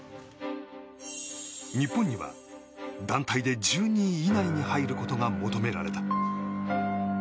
日本には団体で１２位以内に入ることが求められた。